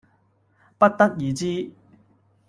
不得而知